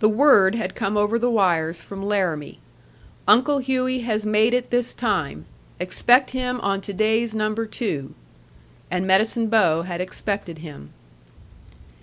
The word had come over the wires from Laramie: "Uncle Hughey has made it this time. Expect him on to day's number two." And Medicine Bow had expected him.